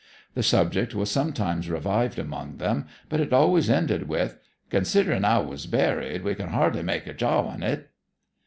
The subject was sometimes revived among them, but it always ended with: 'Considering how 'a was buried, we can hardly make a job o't.'